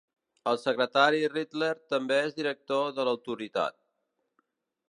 El secretari Ridley també és Director de l'Autoritat.